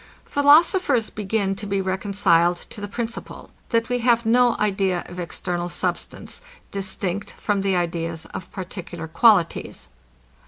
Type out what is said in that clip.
Philosophers begin to be reconciled to the principle, that we have no idea of external substance, distinct from the ideas of particular qualities.